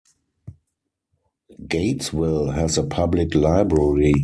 Gatesville has a Public Library.